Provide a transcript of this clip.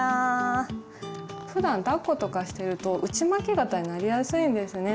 ふだんだっことかしてると内巻き肩になりやすいんですね。